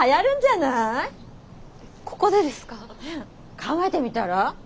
考えてみたら？